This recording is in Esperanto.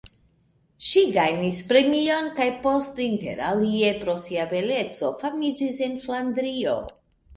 Ŝi gajnis premion kaj post, inter alie pro sia beleco, famiĝis en Flandrio.